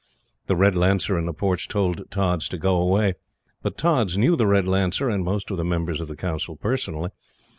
The Red Lancer in the porch told Tods to go away; but Tods knew the Red Lancer and most of the Members of Council personally.